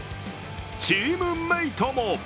チームメイトも！